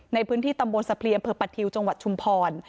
ในพื้นที่ตำบลสะเพลียมเผลอปทิวจังหวัดชุมพร